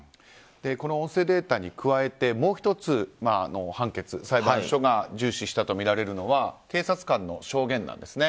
音声データに加えてもう１つ、判決裁判所が重視したとみられるのは警察官の証言なんですね。